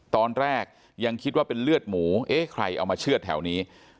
ตอนแรกยังคิดว่าเป็นเลือดหมูเอ๊ะใครเอามาเชื่อดแถวนี้